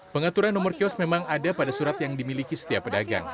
pengaturan nomor kios memang ada pada surat yang dimiliki setiap pedagang